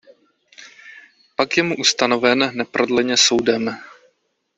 Pak je mu ustanoven neprodleně soudem.